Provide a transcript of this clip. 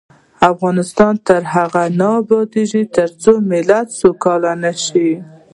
افغانستان تر هغو نه ابادیږي، ترڅو دا ملت سوکاله نشي.